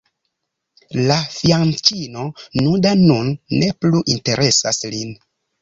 La fianĉino nuda nun ne plu interesas lin.